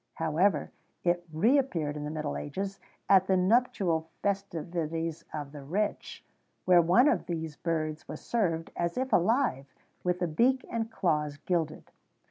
[XVII 130] However, it re appeared in the middle ages at the nuptial festivities of the rich, where one of these birds was served, as if alive, with the beak and claws gilded.